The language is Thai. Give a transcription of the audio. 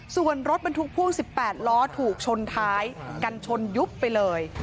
ส่วนรถบรรทุกพ่วง๑๘ล้อถูกชนท้ายกันชนยุบไปเลย